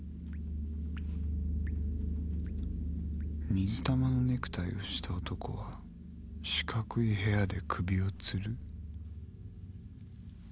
水玉のネクタイをした男は四角い部屋で首をつる？